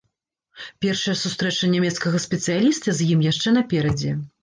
Першая сустрэча нямецкага спецыяліста з ім яшчэ наперадзе.